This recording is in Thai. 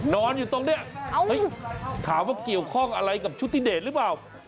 นอนอยู่ตรงนี้ถามว่าเกี่ยวข้องอะไรกับชุธิเดชหรือเปล่า